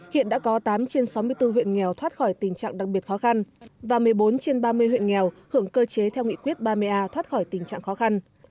hiện đã có tám trên sáu mươi bốn huyện nghèo thoát khỏi tình trạng đặc biệt khó khăn và một mươi bốn trên ba mươi huyện nghèo hưởng cơ chế theo nghị quyết ba mươi a thoát khỏi tình trạng khó khăn